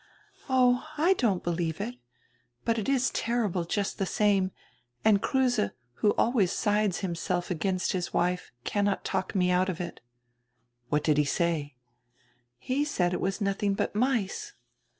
"Oh, I don't believe it. But it is terrible just die same, and Kruse, who always sides himself against his wife, can not talk me out of it." "What did he say?" "He said it was nothing but mice."